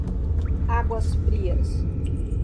Águas Frias